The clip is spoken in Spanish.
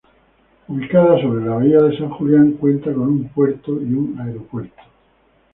Ubicada sobre la bahía de San Julián, cuenta con un puerto y un aeropuerto.